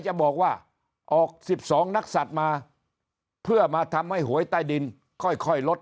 จะบอกว่าออก๑๒นักศัตริย์มาเพื่อมาทำให้หวยใต้ดินค่อยลด